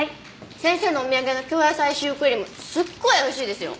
先生のお土産の京野菜シュークリームすっごい美味しいですよ。